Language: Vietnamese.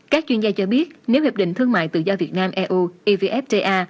các chuyên gia cho biết nếu hiệp định thương mại tự do việt nam eu evfta